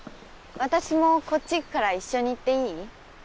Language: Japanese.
私もこっち行くから一緒に行っていい？